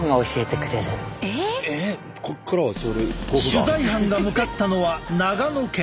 取材班が向かったのは長野県。